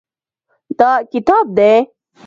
دا کتاب دی.